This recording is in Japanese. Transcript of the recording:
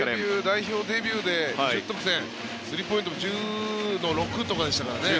代表デビューで２０得点スリーポイントも１０の６とかでしたからね。